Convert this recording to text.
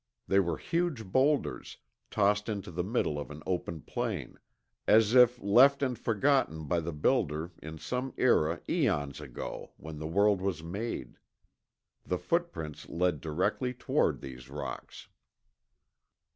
They were huge boulders, tossed into the middle of an open plain, as if left and forgotten by the Builder in some era eons ago when the world was made. The footprints led directly toward these rocks.